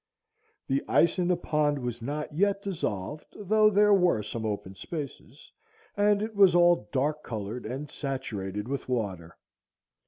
The ice in the pond was not yet dissolved, though there were some open spaces, and it was all dark colored and saturated with water.